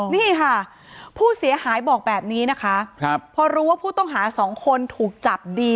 อ๋อเจ้าสีสุข่าวของสิ้นพอได้ด้วย